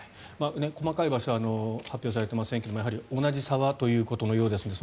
細かい場所は発表されていませんが同じ沢ということのようですので